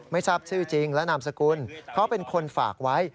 ทราบชื่อจริงและนามสกุลเขาเป็นคนฝากไว้